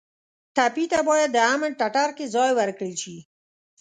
ټپي ته باید د امن ټټر کې ځای ورکړل شي.